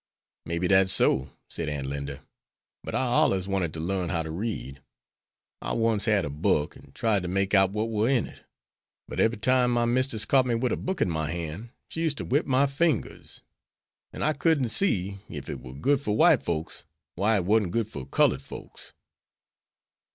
"May be dat's so," said Aunt Linda. "But I allers wanted to learn how to read. I once had a book, and tried to make out what war in it, but ebery time my mistus caught me wid a book in my hand, she used to whip my fingers. An' I couldn't see ef it war good for white folks, why it warn't good for cullud folks."